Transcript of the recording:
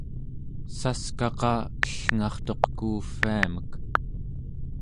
saskaqa ellngartuq kuuvviamek